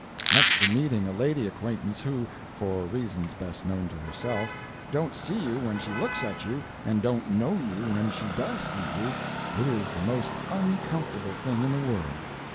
Next to meeting a lady acquaintance who, for reasons best known to herself, don't see you when she looks at you, and don't know you when she does see you, it is the most uncomfortable thing in the world.